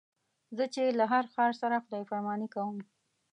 زه چې له هر ښار سره خدای پاماني کوم.